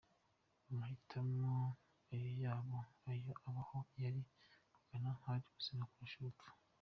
Amahitamo iyo abaho yari kugana ahari ubuzima kurusha urupfu.